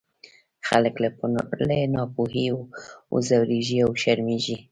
خلک له ناپوهۍ وځورېږي او وشرمېږي.